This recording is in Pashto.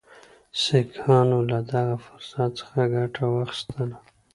سیکهانو له دغه فرصت څخه ګټه واخیستله.